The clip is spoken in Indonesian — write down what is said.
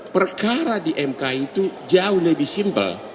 perkara di mk itu jauh lebih simpel